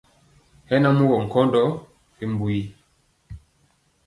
Hɛ na mugɔ nkɔndɔ ri mbu yi.